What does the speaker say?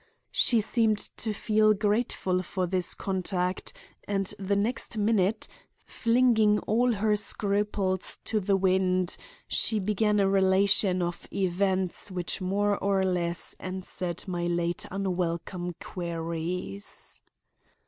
She seemed to feel grateful for this contact, and the next minute, flinging all her scruples to the wind, she began a relation of events which more or less answered my late unwelcome queries.